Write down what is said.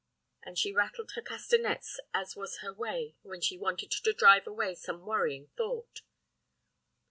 and she rattled her castanets, as was her way when she wanted to drive away some worrying thought.